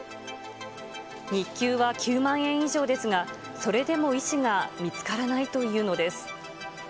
日給は９万円以上ですが、それでも医師が見つからないというのです。